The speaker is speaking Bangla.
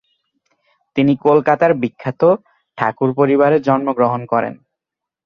তিনি কলকাতার বিখ্যাত ঠাকুর পরিবারে জন্মগ্রহণ করেন।